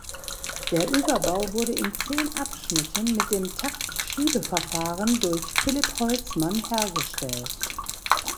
Der Überbau wurde in zehn Abschnitten mit dem Taktschiebeverfahren durch Philipp Holzmann hergestellt.